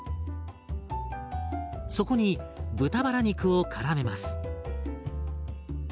そこに豚バラ肉をからめます。